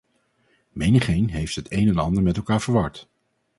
Menigeen heeft het een en ander met elkaar verward.